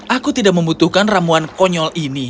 aku tidak membutuhkan ramuan konyol ini